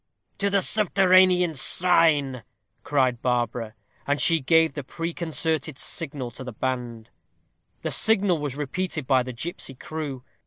"To the subterranean shrine," cried Barbara. And she gave the preconcerted signal to the band. The signal was repeated by the gipsy crew.